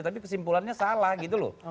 tapi kesimpulannya salah gitu loh